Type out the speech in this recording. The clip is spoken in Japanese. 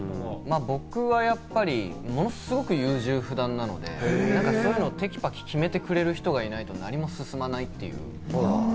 僕はやっぱり、ものすごく優柔不断なんで、テキパキ決めてくれる人がいないと何も進まないという。